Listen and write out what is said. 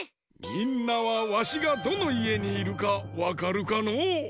みんなはわしがどのいえにいるかわかるかのう？